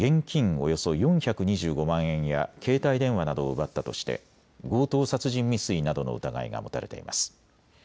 およそ４２５万円や携帯電話などを奪ったとして強盗殺人未遂などの疑いが持たれています。